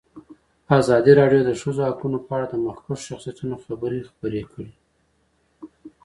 ازادي راډیو د د ښځو حقونه په اړه د مخکښو شخصیتونو خبرې خپرې کړي.